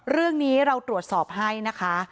เรื่องนี้เราตรวจสอบให้นะคะ